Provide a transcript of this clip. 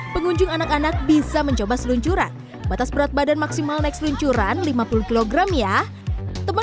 pengunjung anak anak bisa mencoba seluncuran batas berat badan maksimal naik seluncuran lima puluh kg ya teman